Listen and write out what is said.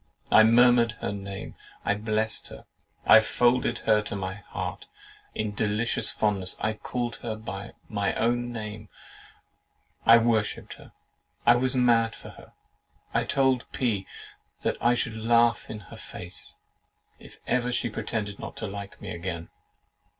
I murmured her name; I blest her; I folded her to my heart in delicious fondness; I called her by my own name; I worshipped her: I was mad for her. I told P—— I should laugh in her face, if ever she pretended not to like me again.